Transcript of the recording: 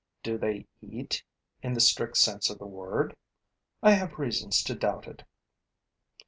Do they eat, in the strict sense of the word? I have reasons to doubt it.